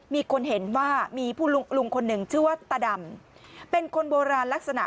มีคนเห็นว่ามีผู้ลุงคนหนึ่งชื่อว่าตาดำเป็นคนโบราณลักษณะ